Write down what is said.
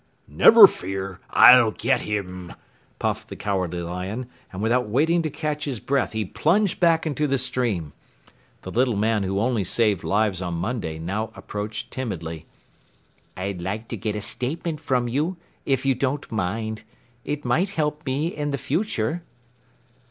"Never fear, I'll get him," puffed the Cowardly Lion, and without waiting to catch his breath he plunged back into the stream. The little man who only saved lives on Monday now approached timidly. "I'd like to get a statement from you, if you don't mind. It might help me in the future."